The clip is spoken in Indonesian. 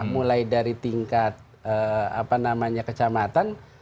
mulai dari tingkat kecamatan